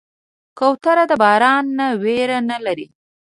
کوتره د باران نه ویره نه لري.